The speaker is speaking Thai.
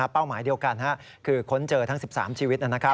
เป้าหมายเดียวกันคือค้นเจอทั้ง๑๓ชีวิตนั้นนะครับ